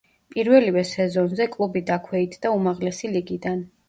პირველივე სეზონზე კლუბი დაქვეითდა უმაღლესი ლიგიდან.